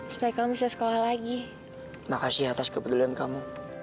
supaya kamu bisa sekolah lagi makasih atas kepedulian kamu